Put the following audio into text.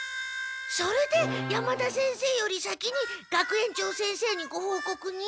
それで山田先生より先に学園長先生にごほうこくに？